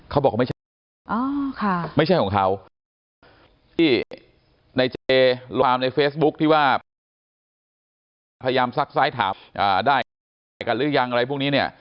เขาบอกไม่ใช่ของเขาที่ในเจลงความในเฟซบุ๊คที่ว่าพยายามซักซ้ายถามได้กันหรือยังอะไรพวกนี้เนี่ย